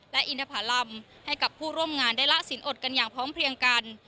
และอินทภารำให้กับผู้ร่วมงานได้ละสินอดกันอย่างพร้อมเพลียงกัน